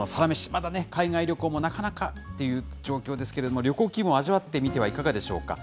まだ海外旅行もなかなかという状況ですけれども、旅行気分を味わってみてはいかがでしょうか。